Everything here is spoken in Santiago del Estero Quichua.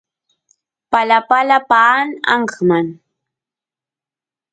palapala paan anqman